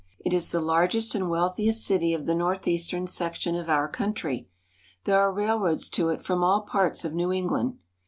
It is the largest and wealthiest city of the northeastern sec tion of our country. There are railroads to it from all parts of New England.